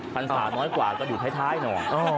ฟันศาสตร์น้อยกว่าก็ดูท้ายหน่อย